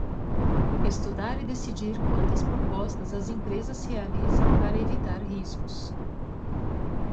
Estudar e decidir quantas propostas as empresas realizam para evitar riscos.